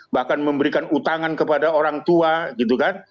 bahkan memberikan utangan kepada orang tua gitu kan